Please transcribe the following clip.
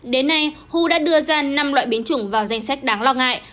đến nay hu đã đưa ra năm loại biến chủng vào danh sách đáng lo ngại